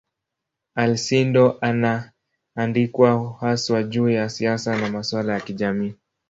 Alcindor anaandikwa haswa juu ya siasa na masuala ya kijamii.